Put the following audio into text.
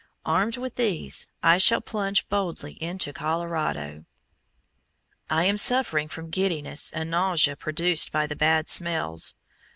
Armed with these, I shall plunge boldly into Colorado. I am suffering from giddiness and nausea produced by the bad smells.